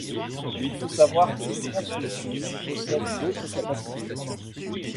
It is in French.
Mais il faut savoir que le translocon possède d'autres capacités.